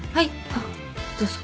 あっどうぞ。